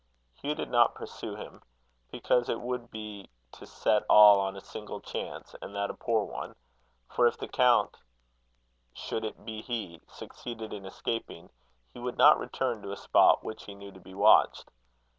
Hugh did not pursue him; because it would be to set all on a single chance, and that a poor one; for if the count, should it be he, succeeded in escaping, he would not return to a spot which he knew to be watched.